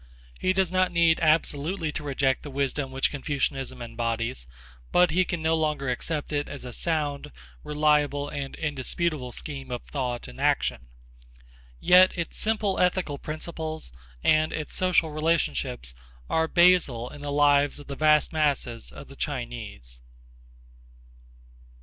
He does not need absolutely to reject the wisdom which Confucianism embodies, but he can no longer accept it as a sound, reliable and indisputable scheme of thought and action. Yet its simple ethical principles and its social relationships are basal in the lives of the vast masses of the Chinese.